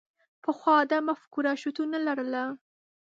پخوا دا مفکوره شتون نه لرله.